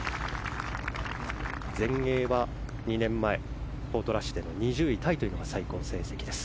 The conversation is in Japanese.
全英は２年前ポートラッシュでの２０位タイが最高成績です。